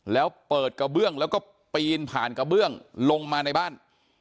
แล้วเปิดกระเบื้องแล้วก็ปีนผ่านกระเบื้องลงมาในบ้าน